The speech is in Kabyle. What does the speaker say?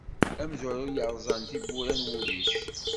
Amezwaru i yerẓan tiwwura n wul-is.